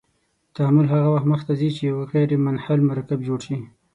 تعامل هغه وخت مخ ته ځي چې یو غیر منحل مرکب جوړ شي.